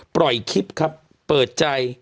ปล่อยคลิปครับเปิดใจ